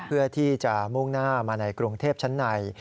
เพื่อที่จะมุ่งหน้ามาในกรุงเทพชั้นใน